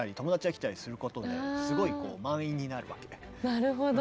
なるほど。